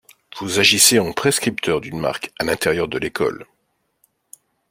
Vous agissez en prescripteurs d'une marque à l'intérieur de l'école.